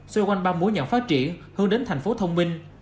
xoay quanh ba mối nhận phát triển hơn đến tp thông minh